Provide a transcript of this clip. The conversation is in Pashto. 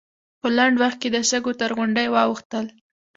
په لنډ وخت کې د شګو تر غونډۍ واوښتل.